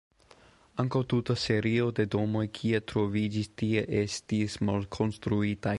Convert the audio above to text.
Ankaŭ tuta serio de domoj kie troviĝis tie estis malkonstruitaj.